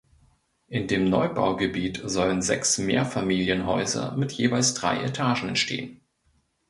In dem Neubaugebiet sollen sechs Mehrfamilienhäuser mit jeweils drei Etagen entstehen.